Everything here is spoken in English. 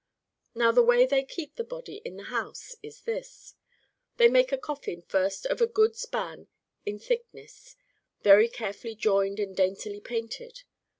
^ Now the way they keep the body in the house is this : They make a coffin first of a good span in thick ness, very carefully joined and daintily painted.